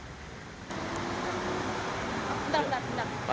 bentar bentar bentar